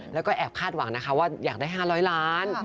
แล้วก็แอบคาดหวังนะคะว่าอยากได้๕๐๐ล้าน